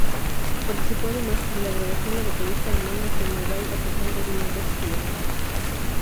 Participó además de la grabación la vocalista Amanda Somerville aportando algunas voces femeninas.